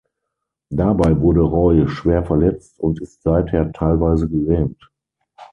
Dabei wurde Roy schwer verletzt und ist seither teilweise gelähmt.